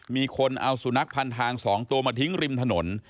มีคนเอาสุนัขพันทาง๒ตัวมาทิ้งริมถนน